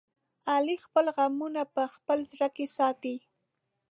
علي خپل غمونه په خپل زړه کې ساتي.